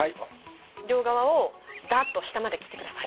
両側をだっと下まで切ってください。